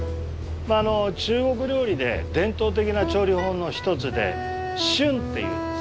中国料理で伝統的な調理法の一つで「燻」っていうですね